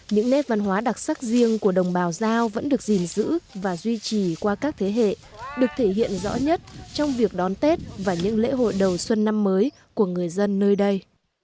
những nét văn hóa đặc sắc riêng của đồng bào giao vẫn được gìn giữ và duy trì qua các thế hệ được thể hiện rõ nhất trong việc đón tết và những lễ hội đầu xuân năm mới của người dân nơi đây